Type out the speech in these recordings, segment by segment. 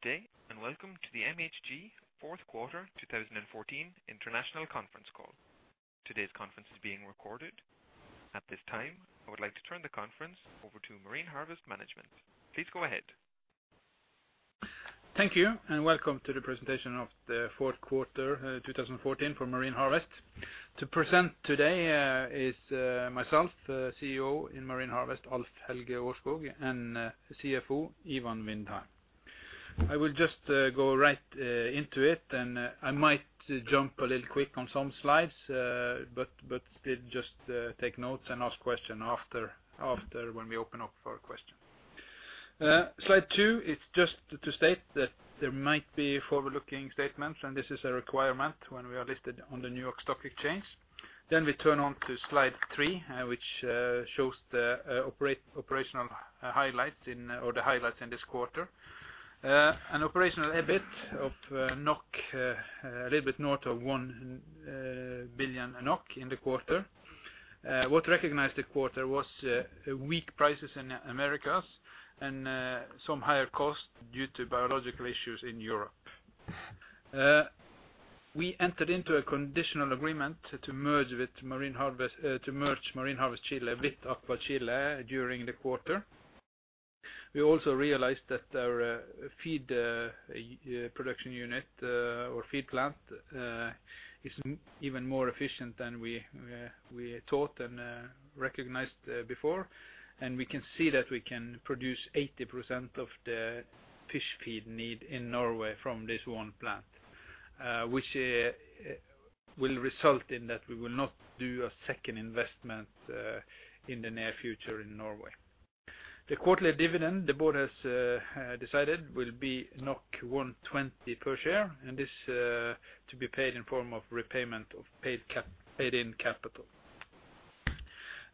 Good day. Welcome to the MHG fourth quarter 2014 international conference call. Today's conference is being recorded. At this time, I would like to turn the conference over to Marine Harvest Management. Please go ahead. Thank you, welcome to the presentation of the fourth quarter 2014 for Marine Harvest. To present today is myself, CEO in Marine Harvest, Alf-Helge Aarskog, and CFO, Ivan Vindheim. I will just go right into it, and I might jump a little quick on some slides, but just take notes and ask question after when we open up for questions. Slide two is just to state that there might be forward-looking statements, and this is a requirement when we are listed on the New York Stock Exchange. We turn on to slide three, which shows the operational highlights or the highlights in this quarter. An operational EBIT of a little bit north of 1 billion NOK in the quarter. What recognized the quarter was weak prices in Americas and some higher costs due to biological issues in Europe. We entered into a conditional agreement to merge Marine Harvest Chile with AquaChile during the quarter. We also realized that our fish feed production unit or fish feed plant is even more efficient than we thought and recognized before. We can see that we can produce 80% of the fish feed need in Norway from this one plant, which will result in that we will not do a second investment in the near future in Norway. The quarterly dividend, the board has decided will be 120 per share, and this to be paid in form of repayment of paid-in capital.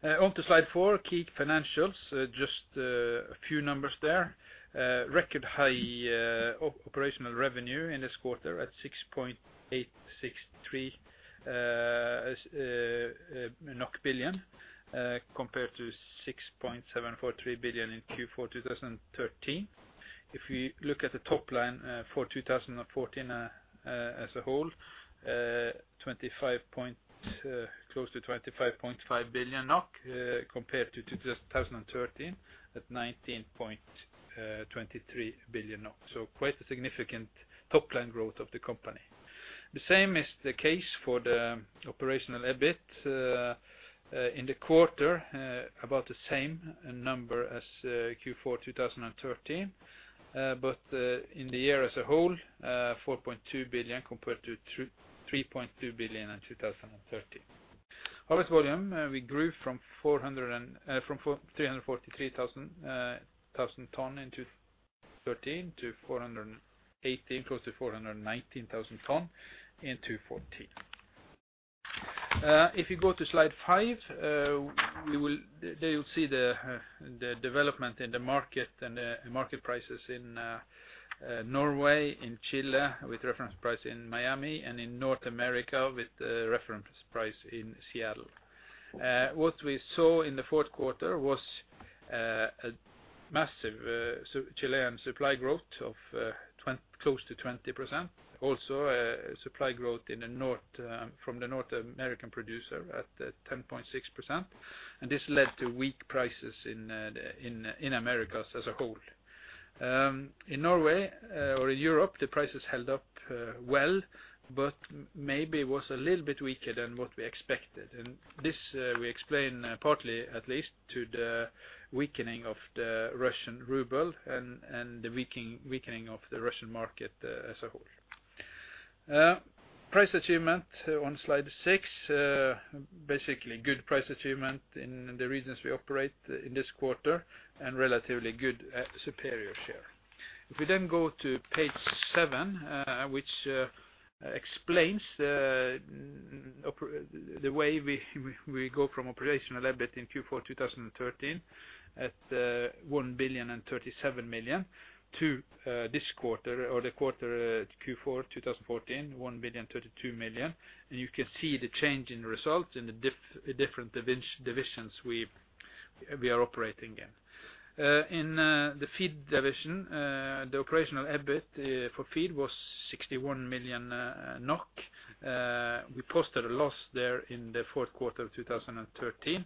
On to slide four, key financials, just a few numbers there. Record high operational revenue in this quarter at 6.863 billion NOK compared to 6.743 billion in Q4 2013. If we look at the top line for 2014 as a whole, close to 25.5 billion NOK compared to 2013 at 19.23 billion NOK. Quite a significant top-line growth of the company. The same is the case for the operational EBIT in the quarter about the same number as Q4 2013 but in the year as a whole 4.2 billion compared to 3.2 billion in 2013. Harvest volume, we grew from 343,000 tons in 2013 to 418 close to 419,000 tons in 2014. If you go to slide five, there you'll see the development in the market and the market prices in Norway, in Chile with reference price in Miami and in North America with reference price in Seattle. What we saw in the fourth quarter was a massive Chilean supply growth of close to 20%. Also a supply growth from the North American producer at 10.6%. This led to weak prices in Americas as a whole. In Norway or in Europe, the prices held up well, but maybe was a little bit weaker than what we expected. This we explain partly at least to the weakening of the Russian ruble and the weakening of the Russian market as a whole. Price achievement on slide six. Basically, good price achievement in the regions we operate in this quarter and relatively good superior share. We then go to page seven which explains the way we go from operational EBIT in Q4 2013 at 1,037 million to this quarter or the quarter Q4 2014, 1,032 million. You can see the change in results in the different divisions we are operating in. In the feed division, the operational EBIT for feed was 61 million NOK. We posted a loss there in the fourth quarter of 2013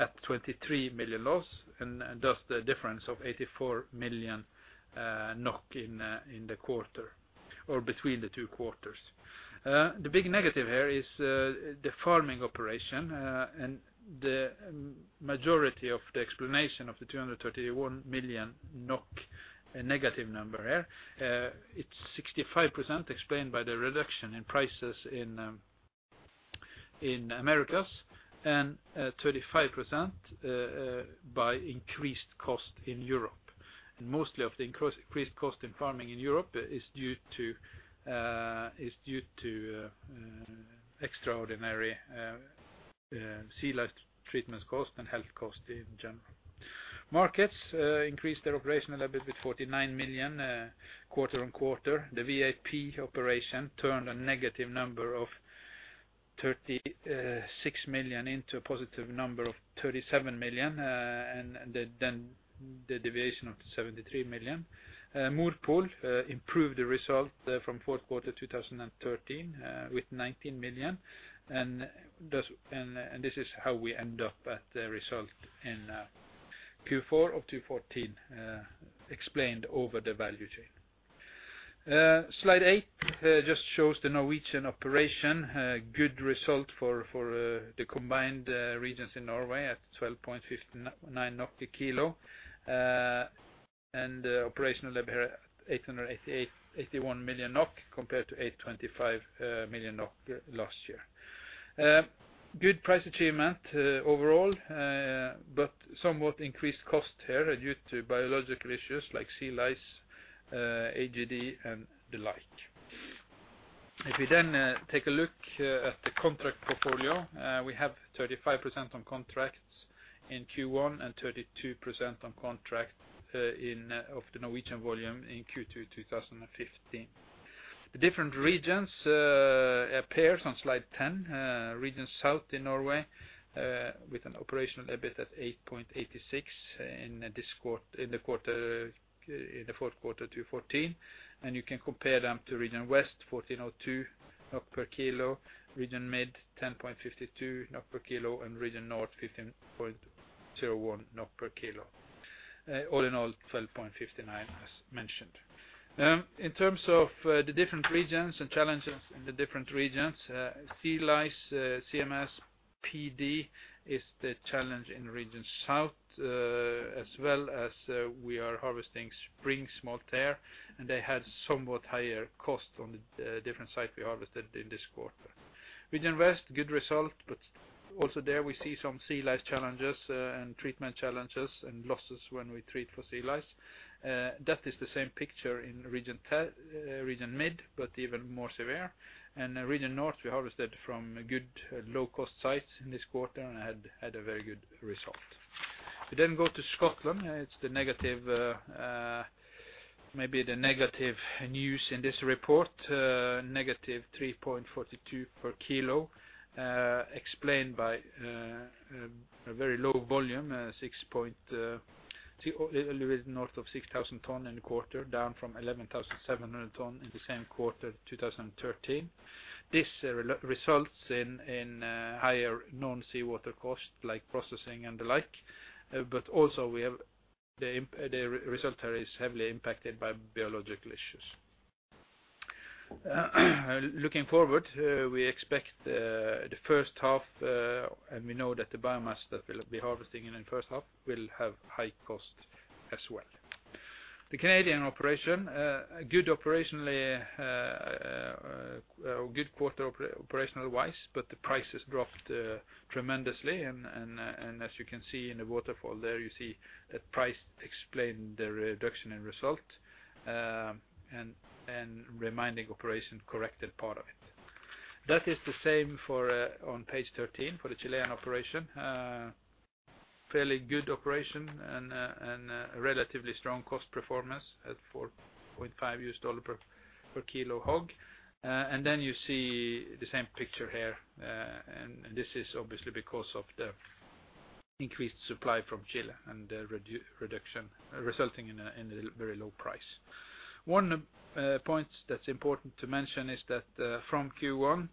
at 23 million loss, thus the difference of 84 million NOK in the quarter or between the two quarters. The big negative here is the farming operation and the majority of the explanation of the 231 million NOK negative number here. It's 65% explained by the reduction in prices in Americas and 35% by increased cost in Europe. Most of the increased cost in farming in Europe is due to extraordinary sea lice treatments cost and health cost in general. Morpol increased their operational EBIT with 49 million quarter-on-quarter. The VAP operation turned a negative number of 36 million into a positive number of 37 million, then the deviation of 73 million. Morpol improved the result from the fourth quarter of 2013 with 19 million. This is how we end up at the result in Q4 of 2014 explained over the value chain. Slide eight just shows the Norwegian operation. Good result for the combined regions in Norway at 12.59 NOK per kilo and operational EBIT 881 million NOK compared to 825 million NOK last year. Good price achievement overall, somewhat increased cost here due to biological issues like sea lice, AGD, and the like. If we take a look at the contract portfolio, we have 35% on contracts in Q1 and 32% on contract of the Norwegian volume in Q2 2015. The different regions appear on slide 10. Region South in Norway, with an operational EBITDA at 8.86 in the fourth quarter 2014, and you can compare them to Region West, 14.02 NOK per kilo, Region Mid, 10.52 NOK per kilo and Region North, 15.01 NOK per kilo. All in all, 12.59 as mentioned. In terms of the different regions and challenges in the different regions, sea lice, CMS, PD, is the challenge in Region South, as well as we are harvesting spring smolt there, and they had somewhat higher cost on the different sites we harvested this quarter. Region West, good result, but also there we see some sea lice challenges and treatment challenges and losses when we treat for sea lice. That is the same picture in Region Mid, but even more severe. Region North, we harvested from good low-cost sites this quarter and had a very good result. We go to Scotland. It's maybe the negative news in this report, negative 3.42 per kilo, explained by a very low volume, a little bit north of 6,000 tons in the quarter, down from 11,700 tons in the same quarter in 2013. This results in higher non-seawater costs like processing and the like, but also the result there is heavily impacted by biological issues. Looking forward, we expect the first half, and we know that the biomass that we'll be harvesting in the first half will have high cost as well. The Canadian operation, a good quarter operationally-wise, but the prices dropped tremendously. As you can see in the waterfall there, you see the price explained the reduction in result, and remaining operations corrected part of it. That is the same on page 13 for the Chilean operation. Fairly good operation and a relatively strong cost performance at $4.5 per kilo HOG. You see the same picture here, and this is obviously because of the increased supply from Chile and the reduction resulting in a very low price. One point that is important to mention is that from Q1,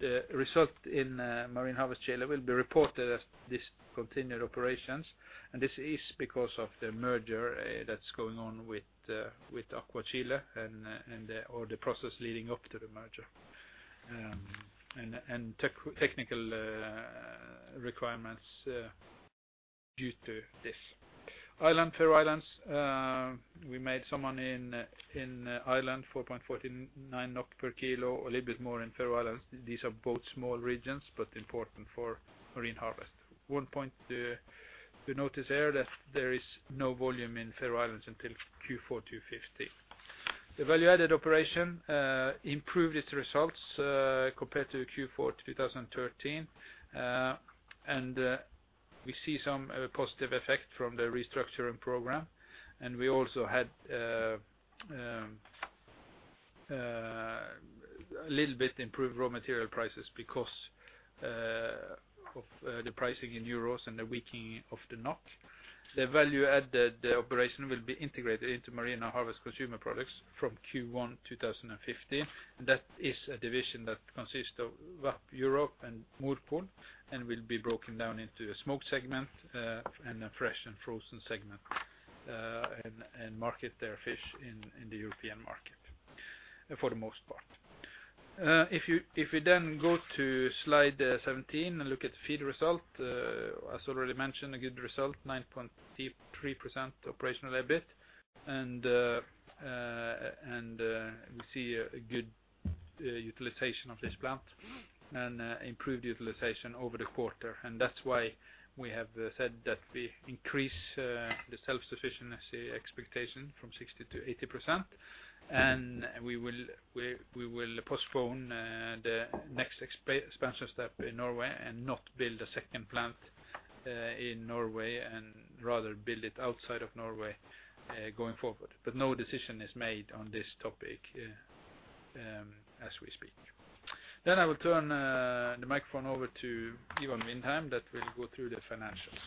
the result in Marine Harvest Chile will be reported as discontinued operations. This is because of the merger that is going on with AquaChile, all the process leading up to the merger, and technical requirements due to this. Ireland, Faroe Islands, we made some in Ireland, 4.49 per kilo, a little bit more in Faroe Islands. These are both small regions, important for Marine Harvest. One point to notice there that there is no volume in Faroe Islands until Q4 2015. The value-added operation improved its results compared to Q4 2013. We see some positive effect from the restructuring program. We also had a little bit improved raw material prices because of the pricing in euros and the weakening of the NOK. The value-added operation will be integrated into Marine Harvest Consumer Products from Q1 2015. That is a division that consists of VAP Europe and Morpol and will be broken down into a smoked segment and a fresh and frozen segment, market their fish in the European market for the most part. If we go to slide 17 and look at the feed result, as already mentioned, a good result, 9.53% operational EBITDA. We see a good utilization of this plant and improved utilization over the quarter. That's why we have said that we increase the self-sufficiency expectation from 60% to 80%, and we will postpone the next expansion step in Norway and not build a second plant in Norway and rather build it outside of Norway going forward. No decision is made on this topic as we speak. I will turn the microphone over to Ivan Vindheim that will go through the financials.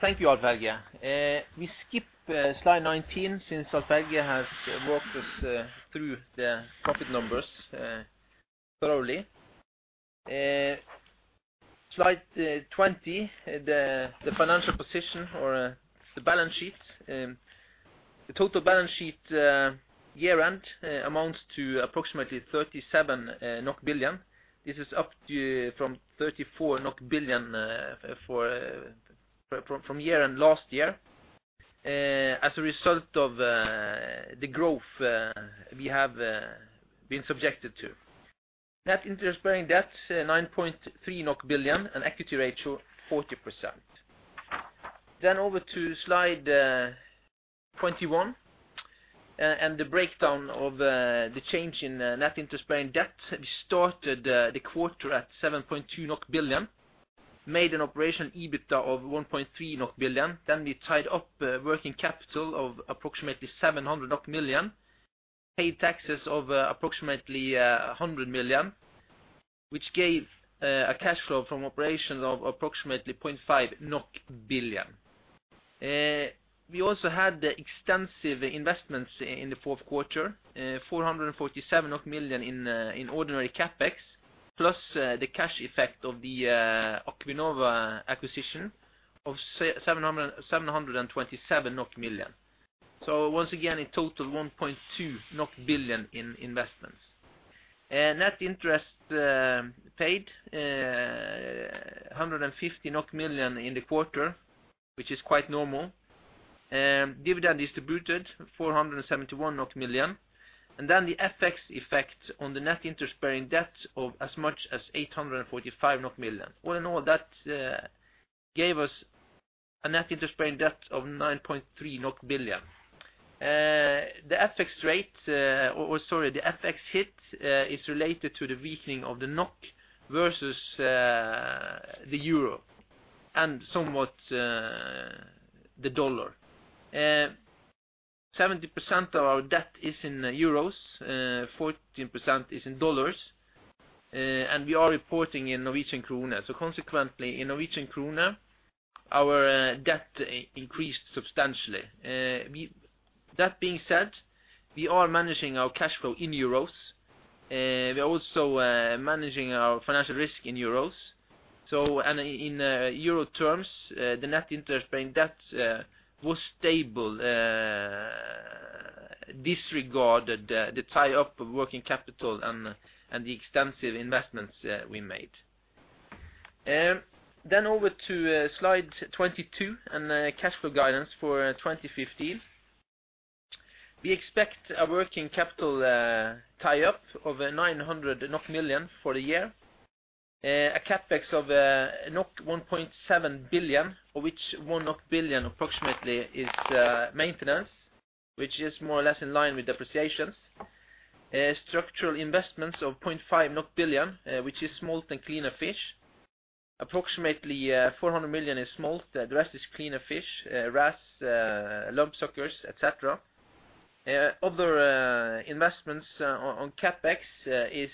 Thank you, Alf-Helge. We skip slide 19 since Alf-Helge has walked us through the profit numbers thoroughly. Slide 20, the financial position or the balance sheet. The total balance sheet year-end amounts to approximately 37 billion NOK. This is up from 34 billion NOK from year-end last year as a result of the growth we have been subjected to. Net interest-bearing debt 9.3 billion NOK, and equity ratio 40%. Over to slide 21 and the breakdown of the change in net interest-bearing debt. We started the quarter at 7.2 billion NOK, made an operational EBITDA of 1.3 billion NOK. We tied up working capital of approximately 700 million NOK, paid taxes of approximately 100 million, which gave a cash flow from operations of approximately 0.5 billion NOK. We also had extensive investments in the fourth quarter, 447 million in ordinary CapEx, plus the cash effect of the Acuinova acquisition of 727 million NOK. Once again, in total, 1.2 billion NOK in investments. Net interest paid 150 million NOK in the quarter, which is quite normal. Dividend distributed 471 million NOK. The FX effect on the net interest-bearing debt of as much as 845 million NOK. All in all, that gave us a net interest-bearing debt of 9.3 billion NOK. Sorry, the FX hit is related to the weakening of the NOK versus the euro and somewhat the dollar. 70% of our debt is in euros, 40% is in dollars, and we are reporting in Norwegian kroner. Consequently, in Norwegian kroner, our debt increased substantially. That being said, we are managing our cash flow in euros. We're also managing our financial risk in euros. In euro terms, the net interest-bearing debt was stable, disregarded the tie-up of working capital and the extensive investments we made. Over to slide 22 and the cash flow guidance for 2015. We expect a working capital tie-up of 900 million NOK for the year. A CapEx of 1.7 billion, of which 1 billion NOK approximately is maintenance, which is more or less in line with depreciations. Structural investments of 0.5 billion, which is smolt and cleaner fish. Approximately 400 million is smolt. The rest is cleaner fish, wrasse, lumpsuckers, et cetera. Other investments on CapEx is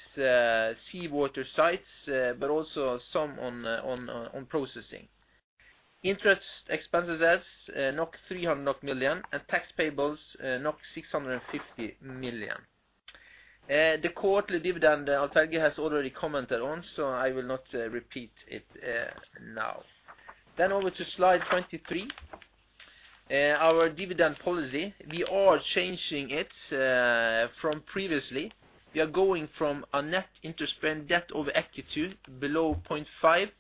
seawater sites, but also some on processing. Interest expenses 300 million NOK and tax payables 650 million. The quarterly dividend Alf-Helge Aarskog has already commented on, so I will not repeat it now. Over to slide 23, our dividend policy. We are changing it from previously. We are going from a net interest-bearing debt over equity below 0.5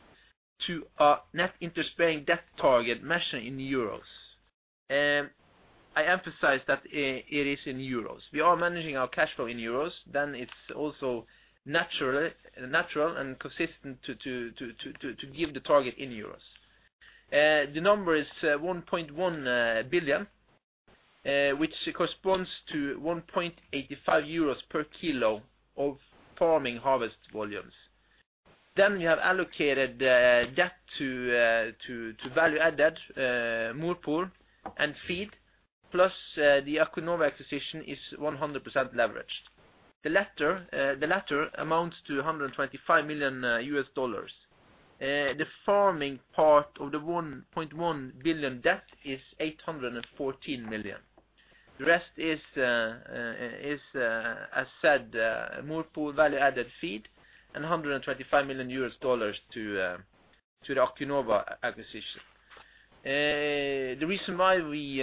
to a net interest-bearing debt target measured in euros. I emphasize that it is in euros. We are managing our cash flow in euros. It's also natural and consistent to give the target in euros. The number is 1.1 billion, which corresponds to 1.85 euros per kilo of farming harvest volumes. We have allocated debt to value-added, Morpol and feed. Plus the Acuinova acquisition is 100% leveraged. The latter amounts to $125 million. The farming part of the 1.1 billion debt is 814 million. The rest is, as said, Morpol, value-added, feed and $125 million to the Acuinova acquisition. The reason why we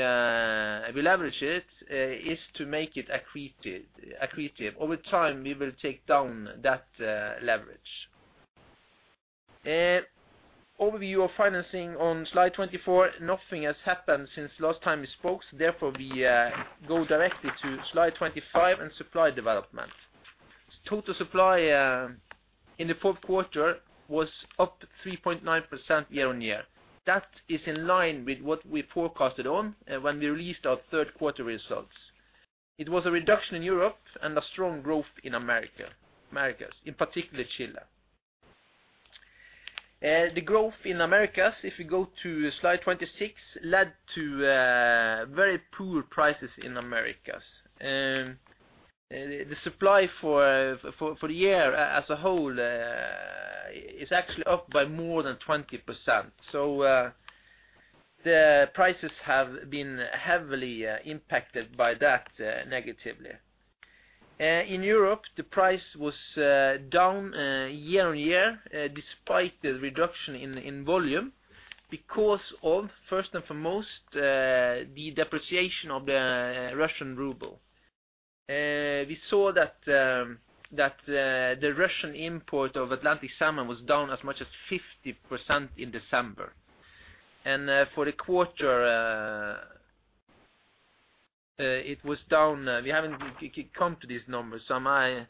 leverage it is to make it accretive. Over time, we will take down that leverage. Overview of financing on slide 24. Nothing has happened since last time we spoke. We go directly to slide 25 on supply development. Total supply in the fourth quarter was up 3.9% year-on-year. That is in line with what we forecasted when we released our third-quarter results. It was a reduction in Europe and a strong growth in Americas, in particular Chile. The growth in Americas, if you go to slide 26, led to very poor prices in Americas. The supply for the year as a whole is actually up by more than 20%. The prices have been heavily impacted by that negatively. In Europe, the price was down year-on-year despite the reduction in volume because of, first and foremost, the depreciation of the Russian ruble. We saw that the Russian import of Atlantic salmon was down as much as 50% in December. For the quarter, it was down. We haven't come to these numbers, so I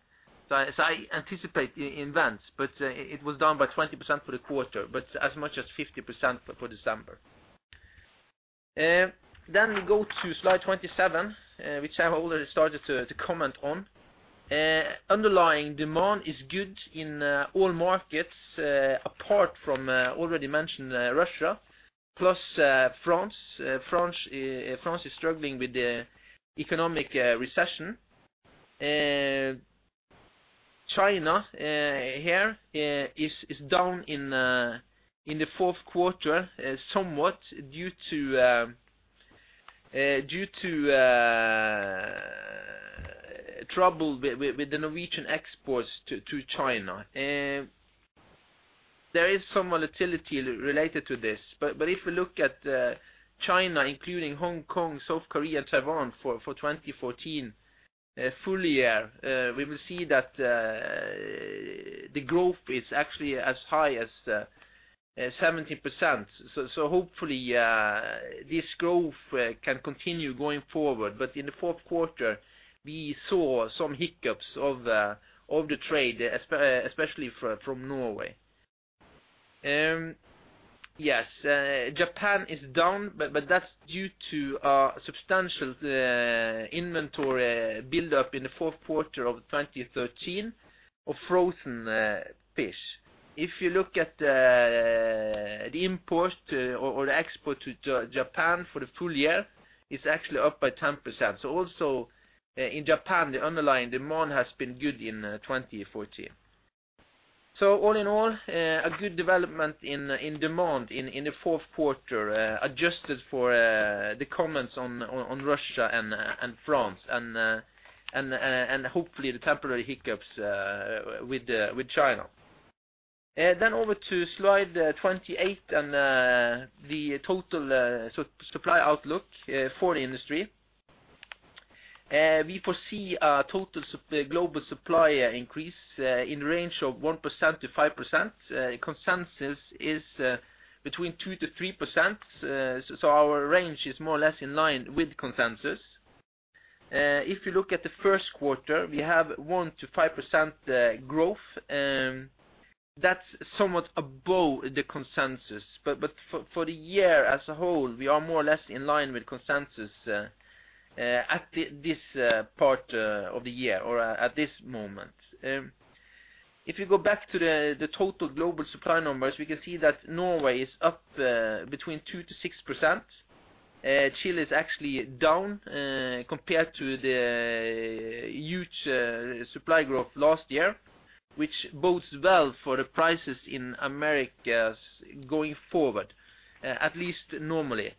anticipate in advance. It was down by 20% for the quarter, as much as 50% for December. We go to slide 27, which I have already started to comment on. Underlying demand is good in all markets apart from already mentioned Russia, plus France. France is struggling with the economic recession. China here is down in the fourth quarter somewhat due to trouble with the Norwegian exports to China. There is some volatility related to this. If you look at China, including Hong Kong, South Korea, and Taiwan for 2014 full year, we will see that the growth is actually as high as 70%. Hopefully this growth can continue going forward. In the fourth quarter, we saw some hiccups of the trade, especially from Norway. Japan is down, but that's due to a substantial inventory buildup in the fourth quarter of 2013 of frozen fish. If you look at the import or export to Japan for the full year, it's actually up by 10%. Also in Japan, the underlying demand has been good in 2014. All in all, a good development in demand in the fourth quarter, adjusted for the comments on Russia and France and hopefully the temporary hiccups with China. Over to slide 28 and the total supply outlook for the industry. We foresee a total global supply increase in range of 1%-5%. Consensus is between 2%-3%, so our range is more or less in line with consensus. If you look at the first quarter, we have 1%-5% growth. That's somewhat above the consensus. For the year as a whole, we are more or less in line with consensus at this part of the year or at this moment. If you go back to the total global supply numbers, we can see that Norway is up between 2%-6%. Chile is actually down compared to the huge supply growth last year, which bodes well for the prices in Americas going forward, at least normally.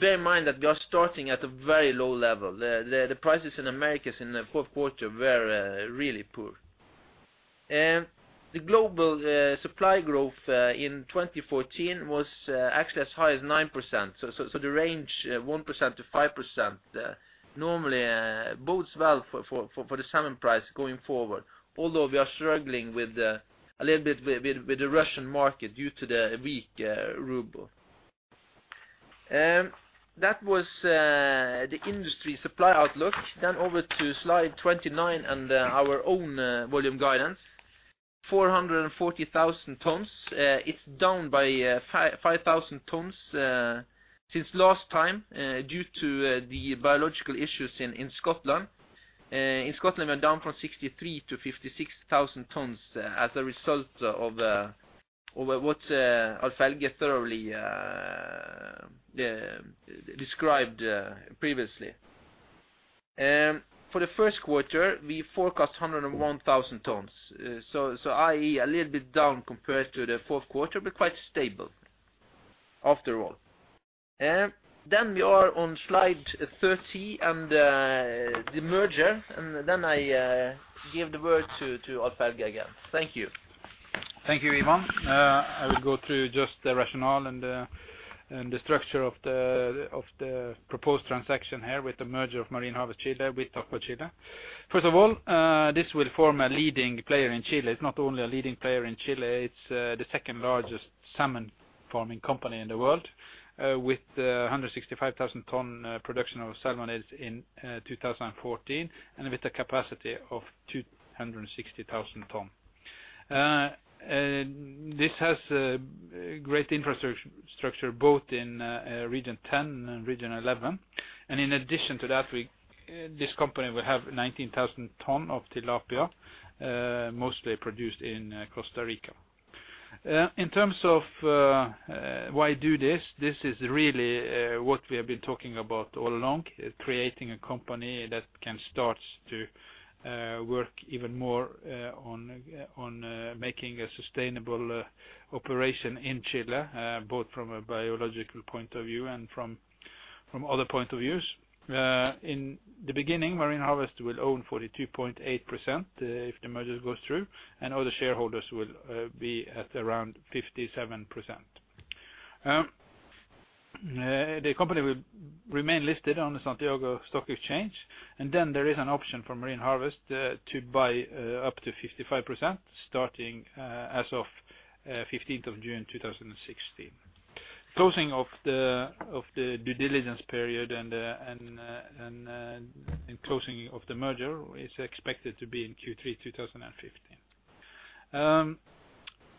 Bear in mind that we are starting at a very low level. The prices in Americas in the fourth quarter were really poor. The global supply growth in 2014 was actually as high as 9%, so the range 1%-5% normally bodes well for the salmon price going forward, although we are struggling a little bit with the Russian market due to the weak ruble. That was the industry supply outlook. Over to slide 29 and our own volume guidance, 440,000 tonnes. It is down by 5,000 tonnes since last time due to the biological issues in Scotland. In Scotland, we are down from 63,000 to 56,000 tonnes as a result of what Alf-Helge thoroughly described previously. For the first quarter, we forecast 101,000 tonnes. So i.e., a little bit down compared to the 4th quarter, but quite stable after all. We are on slide 30 and the merger, and then I give the word to Alf-Helge again. Thank you. Thank you, Ivan. I will go through just the rationale and the structure of the proposed transaction here with the merger of Marine Harvest Chile with Salmones Chile. First of all, this will form a leading player in Chile. It is not only a leading player in Chile, it is the second-largest salmon farming company in the world with 165,000 tons production of salmonids in 2014 and with a capacity of 260,000 tons. This has a great infrastructure both in Region X and Region XI. In addition to that, this company will have 19,000 tons of tilapia, mostly produced in Costa Rica. In terms of why do this is really what we have been talking about all along, creating a company that can start to work even more on making a sustainable operation in Chile, both from a biological point of view and from other point of views. In the beginning, Marine Harvest will own 42.8% if the merger goes through, and other shareholders will be at around 57%. The company will remain listed on the Santiago Stock Exchange, there is an option from Marine Harvest to buy up to 55% starting as of 15th of June 2016. Closing of the due diligence period and closing of the merger is expected to be in Q3 2015.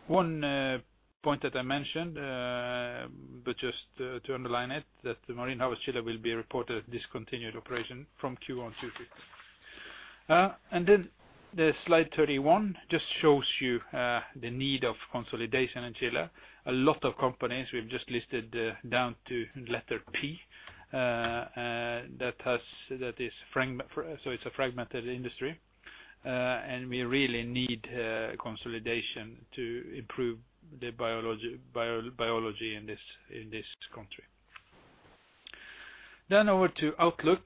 One point that I mentioned, just to underline it, that the Marine Harvest Chile will be reported as discontinued operation from Q1 2015. Slide 31 just shows you the need of consolidation in Chile. A lot of companies, we've just listed down to letter P, it's a fragmented industry. We really need consolidation to improve the biology in this country. Over to outlook.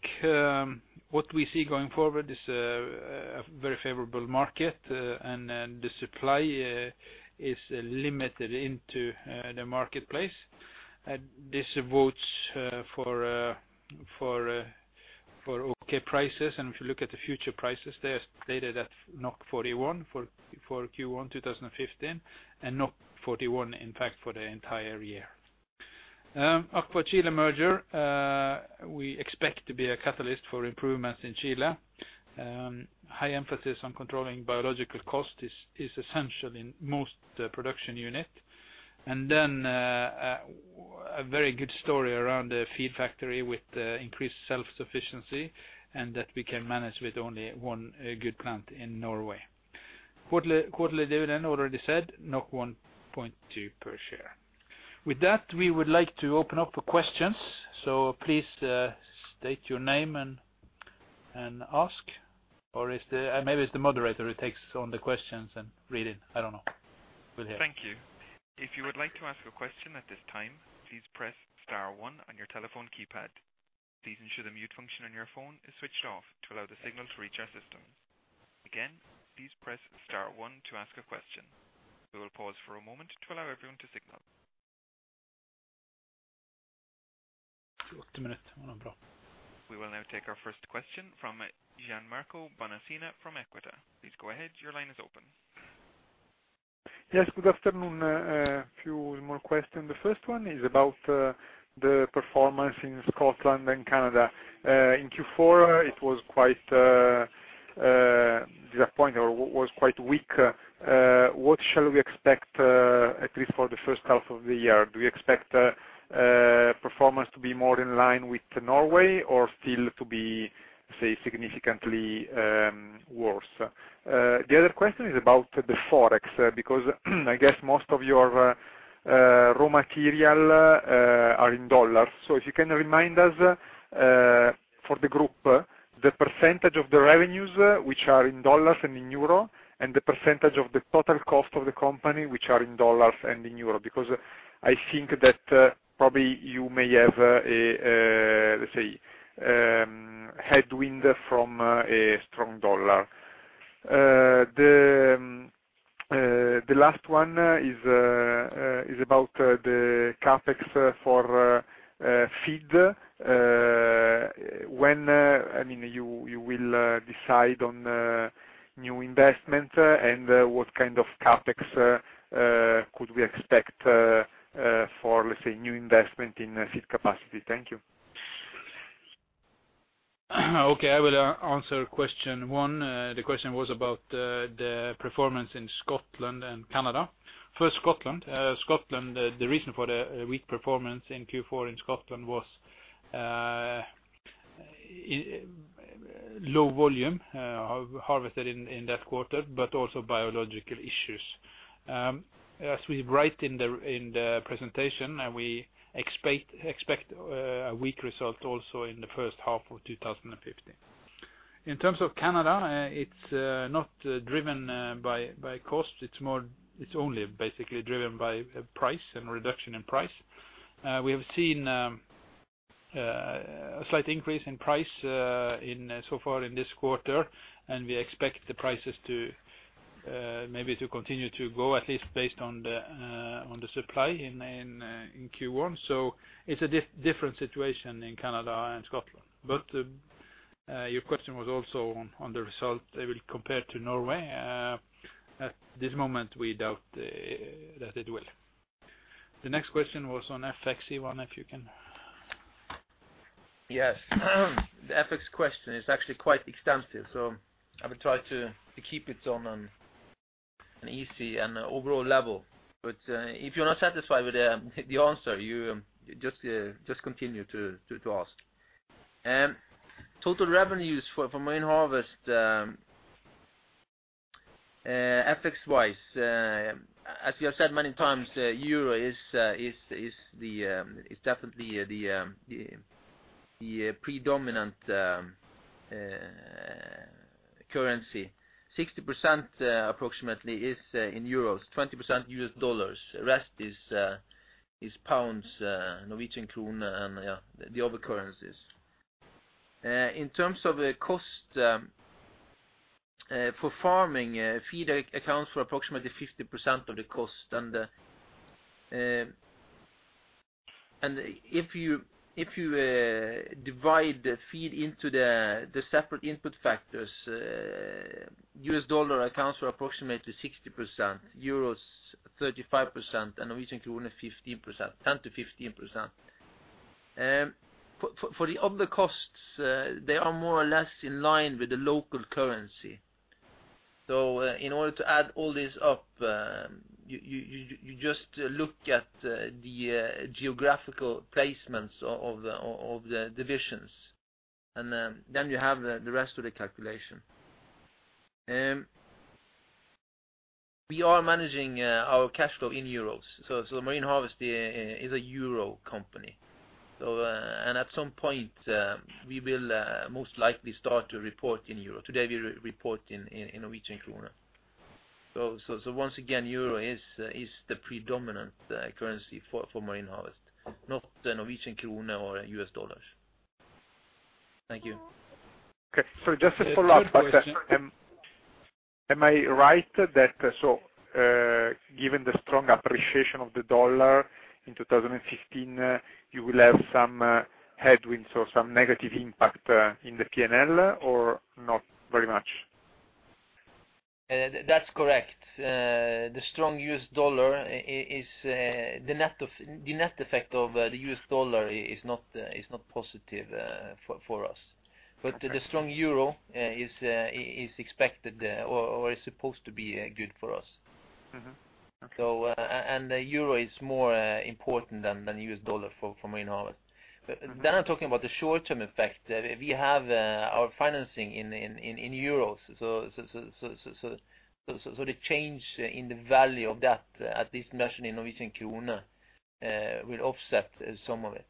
What we see going forward is a very favorable market, the supply is limited into the marketplace. This bodes for okay prices. If you look at the future prices, they're stated at 41 for Q1 2015 and 41, in fact, for the entire year. AquaChile merger we expect to be a catalyst for improvements in Chile. High emphasis on controlling biological cost is essential in most production unit. A very good story around the feed factory with increased self-sufficiency and that we can manage with only one good plant in Norway. Quarterly dividend already said, 1.2 per share. With that, we would like to open up for questions. Please state your name and ask. Or maybe it's the moderator that takes all the questions and read it. I don't know. Thank you. If you would like to ask a question at this time, please press star one on your telephone keypad. Please ensure the mute function on your phone is switched off to allow the signal to reach our system. Again, please press star one to ask a question. We will pause for a moment to allow everyone to signal. Two up to minute, Ambra. We will now take our first question from Gianmarco Bonacina from Equita. Please go ahead. Your line is open. Yes, good afternoon. A few more question. The first one is about the performance in Scotland and Canada. In Q4, it was quite disappointing or was quite weak. What shall we expect at least for the first half of the year? Do you expect performance to be more in line with Norway or still to be, say, significantly worse? The other question is about the Forex, because I guess most of your raw material are in USD. If you can remind us, for the group, the percentage of the revenues which are in USD and in EUR, and the percentage of the total cost of the company which are in USD and in EUR, because I think that probably you may have, let's say, headwind from a strong USD. The last one is about the CapEx for feed. When you will decide on new investment, and what kind of CapEx could we expect for, let's say, new investment in feed capacity? Thank you. Okay, I will answer question one. The question was about the performance in Scotland and Canada. First, Scotland. Scotland, the reason for the weak performance in Q4 in Scotland was low volume harvested in that quarter but also biological issues. As we write in the presentation, we expect a weak result also in the first half of 2015. In terms of Canada, it is not driven by cost. It is only basically driven by price and reduction in price. We have seen a slight increase in price so far in this quarter, and we expect the prices maybe to continue to go, at least based on the supply in Q1. It is a different situation in Canada and Scotland. Your question was also on the result compared to Norway. At this moment, we doubt that it will. The next question was on FX, Ivan, if you can Yes. The FX question is actually quite extensive, so I will try to keep it on an easy and overall level. If you're not satisfied with the answer, just continue to ask. Total revenues for Marine Harvest, FX-wise, as we have said many times, euro is definitely the predominant currency. 60% approximately is in euros, 20% US dollars. The rest is pounds, Norwegian krone, and the other currencies. In terms of cost for farming, feed accounts for approximately 50% of the cost. If you divide the feed into the separate input factors, US dollar accounts for approximately 60%, euros 35%, and Norwegian krone 10%-15%. For the other costs, they are more or less in line with the local currency. In order to add all this up, you just look at the geographical placements of the divisions, you have the rest of the calculation. We are managing our cash flow in euros, Marine Harvest is a euro company. At some point, we will most likely start to report in euro. Today, we report in Norwegian krone. Once again, euro is the predominant currency for Marine Harvest, not the Norwegian krone or U.S. dollars. Thank you. Okay. Just a follow-up question. Am I right that, given the strong appreciation of the dollar in 2015, you will have some headwinds or some negative impact in the P&L or not very much? That's correct. The net effect of the US dollar is not positive for us. The strong euro is expected or is supposed to be good for us. The euro is more important than the US dollar for Marine Harvest. I'm talking about the short-term effect. We have our financing in euros, so the change in the value of that, at least measured in Norwegian krone, will offset some of it.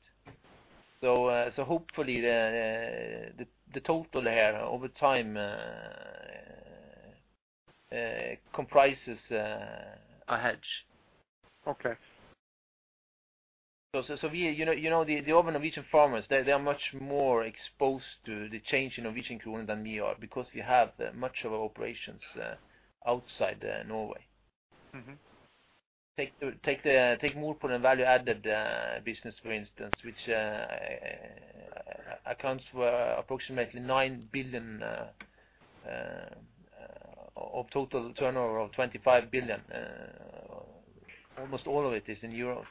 Hopefully, the total over time comprises a hedge. Okay. The ordinary Norwegian farmers, they are much more exposed to the change in Norwegian krone than we are because we have much of our operations outside Norway. Take Mowi for the value-added business, for instance, which accounts for approximately 9 billion of total turnover of 25 billion. Almost all of it is in Europe.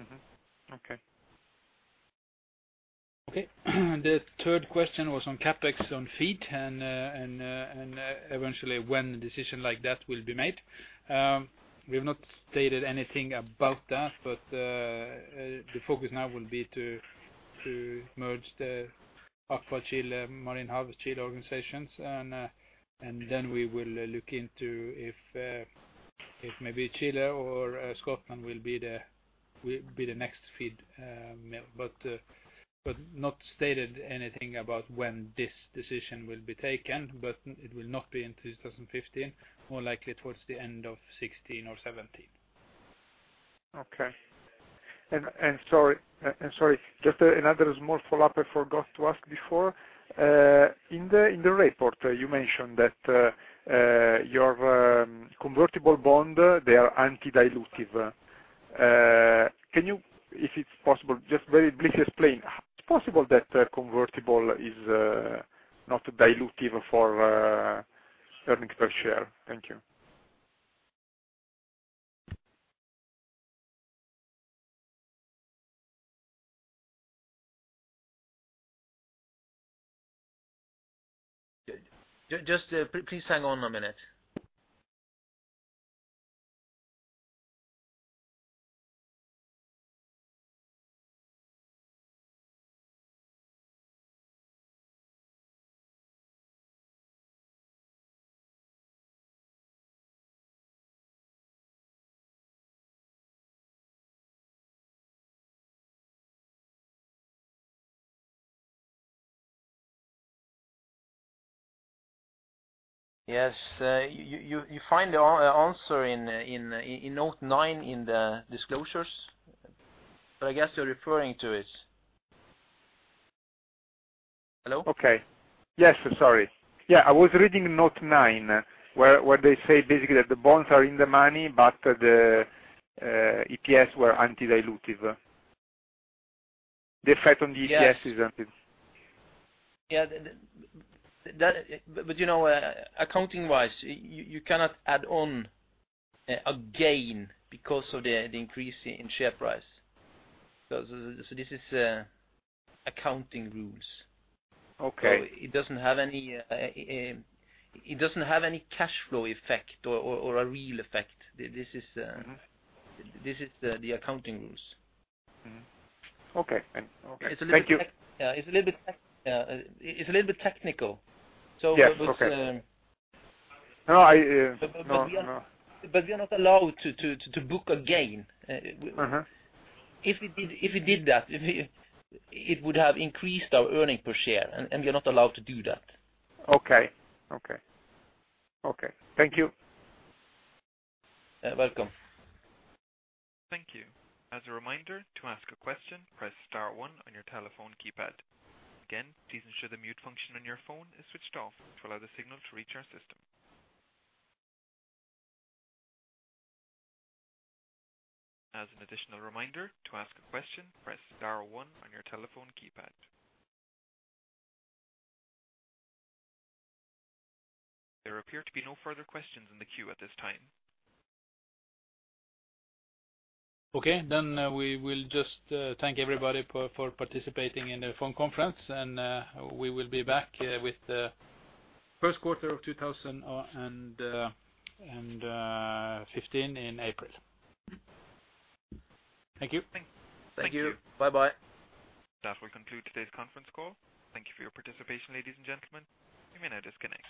Mm-hmm. Okay. The third question was on CapEx on feed and eventually when the decision like that will be made. We've not stated anything about that, but the focus now will be to merge the AquaChile, Marine Harvest Chile organizations, and then we will look into if maybe Chile or Scotland will be the next feed. Not stated anything about when this decision will be taken, but it will not be in 2015, more likely towards the end of 2016 or 2017. Okay. Sorry, just another small follow-up I forgot to ask before. In the report, you mentioned that your convertible bond, they are anti-dilutive. Can you, if it's possible, just very briefly explain how it's possible that convertible is not dilutive for earnings per share? Thank you. Just please hang on a minute. Yes, you find the answer in note nine in the disclosures. I guess you're referring to it. Hello? Okay. Yes, sorry. Yeah, I was reading note nine where they say basically that the bonds are in the money. The EPS were anti-dilutive. The effect on the EPS is anti. Accounting-wise, you cannot add on a gain because of the increase in share price. This is accounting rules. Okay. It doesn't have any cash flow effect or a real effect. This is the accounting rules. Mm-hmm. Okay. Thank you. It's a little bit technical. Yes, okay. No. We are not allowed to book a gain. If we did that, it would have increased our earnings per share, and we're not allowed to do that. Okay. Thank you. You're welcome. Thank you. As a reminder, to ask a question, press star one on your telephone keypad. Again, please ensure the mute function on your phone is switched off to allow the signal to reach our system. As an additional reminder, to ask a question, press star one on your telephone keypad. There appear to be no further questions in the queue at this time. Okay, we will just thank everybody for participating in the phone conference, and we will be back with the first quarter of 2015 in April. Thank you. Thank you. Bye-bye. That will conclude today's conference call. Thank you for your participation, ladies and gentlemen. You may now disconnect.